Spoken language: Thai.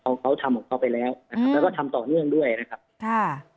เขาเขาทำของเขาไปแล้วนะครับแล้วก็ทำต่อเนื่องด้วยนะครับค่ะ